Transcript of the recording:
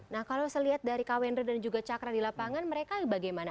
nah kalau dilihat dari kak wendro dan juga cakra di lapangan mereka bagaimana